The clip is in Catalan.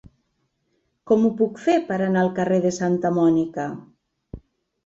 Com ho puc fer per anar al carrer de Santa Mònica?